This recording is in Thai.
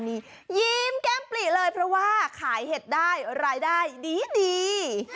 ยิ้มแก้มปลีเลยเพราะว่าขายเห็ดได้รายได้ดี